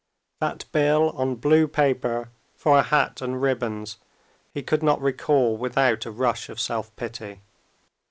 That bill on blue paper, for a hat and ribbons, he could not recall without a rush of self pity.